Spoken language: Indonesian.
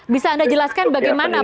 bisa anda jelaskan bagaimana